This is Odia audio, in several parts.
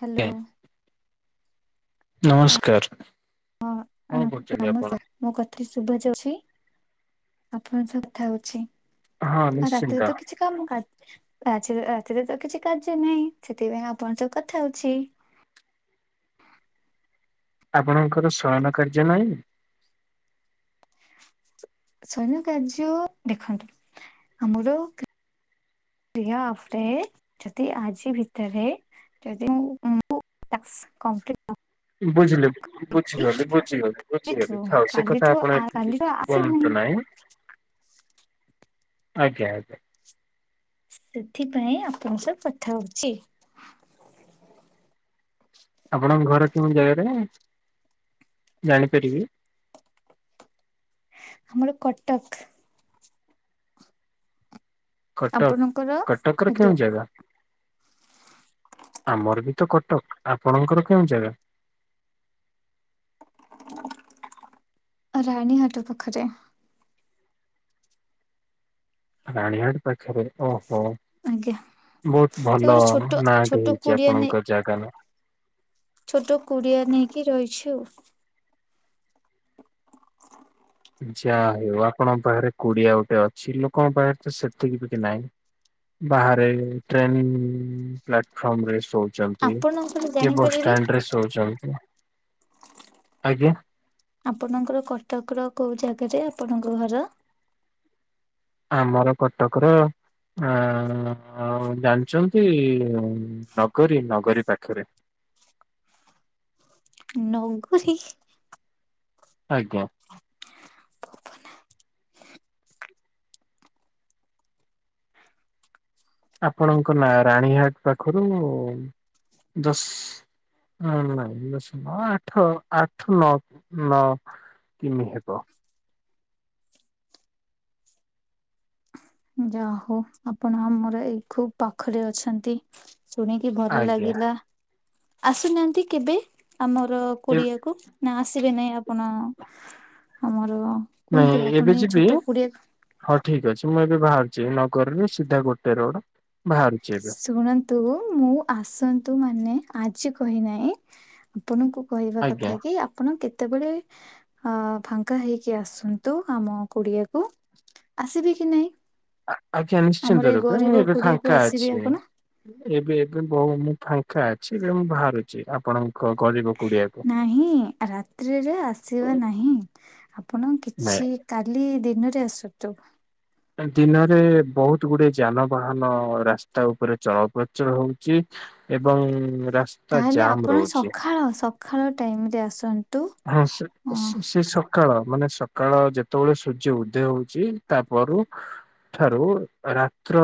ହ୍ୟାଲୋ। ଆଜ୍ଞା ନମସ୍କାର! କଣ ନମସ୍କାର କରୁଛନ୍ତି ନମସ୍କାର ଆପଣ? ମୋ କଥା ଶୁଭା ଯାଉଛି, ଆପଣଙ୍କ ସହ କଥା ହଉଛି। ହଁ ଆଉ ନିଶ୍ଚିନ୍ତ ରାତିରେ ତ କିଛି କାମ କା ରାତିରେ ତ କିଛି କାର୍ଯ୍ୟ ନାହିଁ ସେଥିପାଇଁ ଆପଣ ସହ କଥା ହେଉଛି। ଆପଣଙ୍କର ଶୟନ କାର୍ଯ୍ୟ ନାହିଁ? ଶୟନ କାର୍ଯ୍ୟ ଦେଖନ୍ତୁ, ଆମର ଆପ୍ ରେ ଯଦି ଆଜି ଭିତରେ ଯଦି ମୁଁ ତାଙ୍କୁ ଟାସ୍କ କଂପ୍ଲିଟ୍ ବୁଝିଲି, ବୁଝିଗଲି, ବୁଝିଗଲି, କାଲିଠୁ ବୁଝିଗଲି ଥାଉ ସେ କାଲିଠୁ କଥା ଆପଣ ଏଠି କାଲିଠୁ ଆସିବ କୁହନ୍ତୁ ନାହିଁ। ଆଜ୍ଞା ଆଜ୍ଞା। ସେଥିପାଇଁ ଆପଣଙ୍କ ସହ କଥା ହଉଛି। ଆପଣଙ୍କ ଘର କେଉଁ ଜାଗାରେ ଜାଣିପାରିବି। ଆମର କଟକ। କଟକ, ଆପଣଙ୍କର କଟକ ର ଆଜ୍ଞା କେଉଁ ଜାଗା? ଆମର ବି ତ କଟକ। ଆପଣଙ୍କର କେଉଁ ଜାଗା? ରାଣୀ ହାଟ ପାଖରେ। ରାଣିହାଟ ପାଖରେ, ଓହୋ। ଆଜ୍ଞା ବହୁତ ସେ ଭଲ ଗୋଟେ ଛୋଟ ଛୋଟ ନାଁଟେ ହେଇଛି କୁଡିଆ ନେଇ ଆପଣଙ୍କ ଜାଗା ନା। ଛୋଟ କୁଡିଆ ନେଇକି ରହିଛୁ। ଯାହା ହେଉ ଆପଣଙ୍କ ପାଖରେ କୁଡିଆ ଗୋଟେ ଅଛି ଲୋକଙ୍କ ପାଖରେ ତ ସେତିକି ବି ନାହିଁ। ବାହାରେ ଟ୍ରେନ୍ ପ୍ଲାଟଫର୍ମ ରେ ସୋ ଛନ୍ତି ଆପଣଙ୍କର କିଏ ବସ୍ ଜାଣିପାରିବି ଷ୍ଟାଣ୍ଡରେ ଶୋଉଛନ୍ତି ଆଜ୍ଞା। ଆପଣଙ୍କର କଟକର କୋଉ ଜାଗାରେ ଆପଣଙ୍କ ଘର। ଆମର କଟକରେ ଆ ଜାଣିଛନ୍ତି ନଗରୀ ନଗରୀ ପାଖରେ। ନଗରି ଆଜ୍ଞା। ଆପଣଙ୍କ ନାଁ ରାଣୀହାଟ ପାଖରୁ ଦଶ ନାଇଁ ଦଶ ନୁହେଁ ଆଠ ଆଠ ନଅ ନଅ। କିମି ହେବ। ଯା ହଉ ଆପଣ ଆମର ଏଇ ଖୁବ ପାଖରେ ଅଛନ୍ତି। ଶୁଣିକି ଭଲ ଆଜ୍ଞା ଲାଗିଲା ଆସୁନାହାନ୍ତି କେବେ ଆମର ଏ କୁଡିଆକୁ। ନା ଆସିବେ ନାଇଁ ଆପଣ ଆମର ନାଇଁ କୁହନ୍ତୁ ଏବେ ଆପଣ ଏଇ ଯିବି ଛୋଟ କୁଡିଏ ହଁ ଠିକ ଅଛି ମୁଁ ଏବେ ବାହାରୁଛି ନଗରିରୁ ସିଧା ଗୋଟେ ରୋଡ ବାହାରୁଛି ଏବେ। ଶୁଣନ୍ତୁ ମୁଁ ଆସନ୍ତୁ ମାନେ ଆଜି କହିନାହିଁ ଆପଣଙ୍କୁ କହିବା ଆଜ୍ଞା କଥା କି ଆପଣ କେତେବେଳେ ହଁ ଫାଙ୍କା ହେଇକି ଆସନ୍ତୁ ଆମ କୁଡ଼ିଆକୁ। ଆସିବେ କି ନାହିଁ। ଆଜ୍ଞା ନିଶ୍ଚିନ୍ତ ରୂପେ ମୁଁ ଏବେ କୁଡିଆକୁ ଫାଙ୍କା ଆସିବେ ଅଛି। ଆପଣ ଏବେ ଏବେ ବହୁ ମୁଁ ଫାଙ୍କା ଅଛି ଏବେ ମୁଁ ବାହାରୁଛି ଆପଣଙ୍କ ଗରିବ କୁଡିଆକୁ। ନାହିଁ ରାତ୍ରିରେ ଆସିବା ନାହିଁ ଆପଣ ନାଇଁ କିଛି କାଲି ଦିନରେ ଆସନ୍ତୁ। ଦିନରେ ବହୁତ ଗୁଡେ ଯାନବାହାନ ରାସ୍ତା ଉପରେ ଚଳପ୍ରଚଳ ହଉଛି। ଏବଂ ରାସ୍ତା ତାହେଲେ ଜାମ ଆପଣ ରହୁଛି। ସଖାଳ ସଖାଳ ଟାଇମ ରେ ଆସନ୍ତୁ। ହଁ ସେ ଅ ସେ ସେ ସେ ସକାଳ ମାନେ ସକାଳ ଯେତେବେଳେ ସୂର୍ଯ୍ୟ ଉଦ୍ଧୟ ହଉଛି ତାପରୁ ଠାରୁ ରାତ୍ର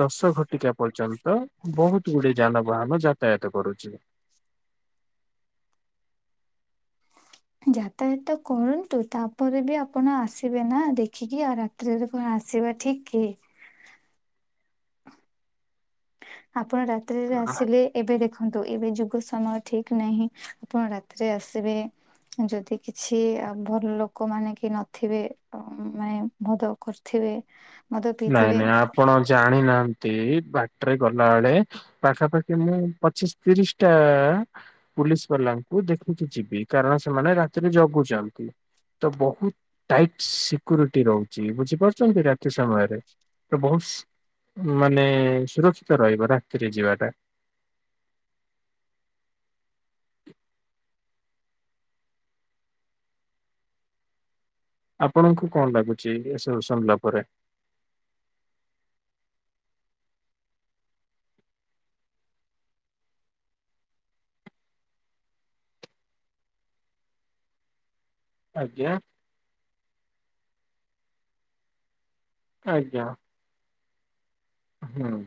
ଦଶ ଘଟିକା ପର୍ଯ୍ୟନ୍ତ ବହୁତ ଗୁଡେ ଯାନବାହାନ ଯାତାୟତ କରୁଛି। ଯାତାୟାତ କରନ୍ତୁ ତାପରେ ବି ଆପଣ ଆସିବେ ନା ଦେଖିକି ଆ [unintelligible] କଣ ଆସିବା ଠିକ କି। ଆପଣ ରାତ୍ରିରେ ଆସିଲେ ଏବେ ଦେଖନ୍ତୁ ଏବେ ଯୁଗ ସମୟ ଠିକ ନାହିଁ ଆପଣ ରାତିରେ ଆସିବେ ଯଦି କିଛି ଭଲ ଲୋକ ମାନେ କି ନଥିବେ ମାନେ ବହୁତ ଖ ଥିବେ। ନାଇଁ ନାଇଁ ଆପଣ ଜାଣିନାହାନ୍ତି ବାଟରେ ଗଲାବେେଳେ ପାଖାପାଖି ମୁଁ ପଚିଶ ତିରିଶ ଟା ପୁଲିସ ବାଲାଙ୍କୁ ଦେଖିକି ଯିବି କାରଣ ସେମାନେ ରାତିରେ ଜଗୁଛନ୍ତି। ତ ବହୁତ ଟାଇଟ ସିକ୍ୟରିଟି ରହୁଛି ବୁଝିପାରୁଛନ୍ତି ରାତି ସମୟରେ। ତ ବହୁତ ସୁ ମାନେ ସୁରକ୍ଷିତ ରହିବ ରାତିରେ ଯିବାଟା। ଆପଣଙ୍କୁ କଣ ଲାଗୁଛି ଏସବୁ ଶୁଣିଲା ପରେ। ଆଜ୍ଞା। ଆଜ୍ଞା। ହଁ।